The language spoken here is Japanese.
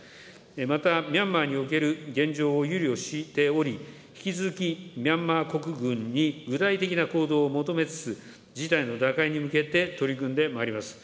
またミャンマーにおける現状を憂慮しており、引き続きミャンマー国軍に具体的な行動を求めつつ、事態の打開に向けて取り組んでまいります。